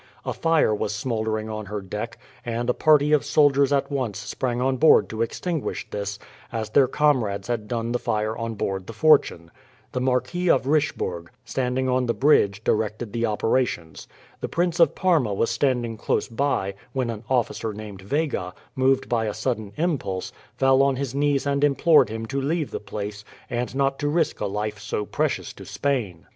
A fire was smoldering on her deck, and a party of soldiers at once sprang on board to extinguish this, as their comrades had done the fire on board the Fortune. The Marquis of Richebourg, standing on the bridge, directed the operations. The Prince of Parma was standing close by, when an officer named Vega, moved by a sudden impulse, fell on his knees and implored him to leave the place, and not to risk a life so precious to Spain.